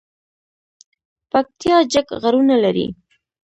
پکتیا جګ غرونه لري